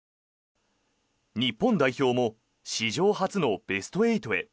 日本代表も史上初のベスト８へ。